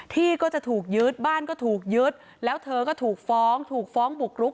ที่ก็จะถูกยึดบ้านก็ถูกยึดแล้วเธอก็ถูกฟ้องถูกฟ้องบุกรุก